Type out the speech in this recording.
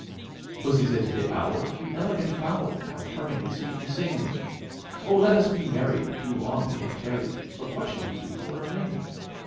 II. Pussy said to the Owl, "You elegant fowl, How charmingly sweet you sing! Oh! let us be married; too long we have tarried: But what shall we do for a ring?"